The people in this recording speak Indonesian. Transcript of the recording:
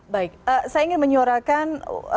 baik saya ingin menyuarakan